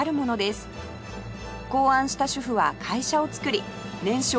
考案した主婦は会社を作り年商